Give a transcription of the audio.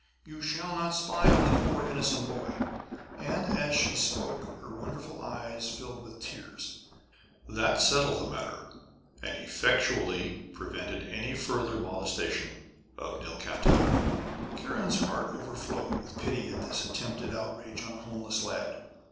You shall not spy on the poor innocent boy.' And as she spoke, her wonderful eyes filled with tears. That settled the matter, and effectually prevented any further molestation of Nilkanta! Kiran's heart overflowed with pity at this attempted outrage on a homeless lad.